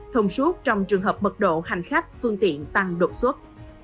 thông suốt trong trường hợp mật độ hành khách phương tiện tăng đột xuất